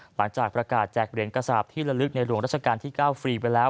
หลังจากประกาศแจกเหรียญกระสาปที่ละลึกในหลวงราชการที่๙ฟรีไปแล้ว